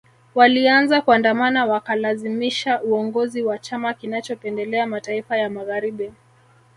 Walianza kuandamana wakalazimisha uongozi wa chama kinachopendelea mataifa ya Magharibi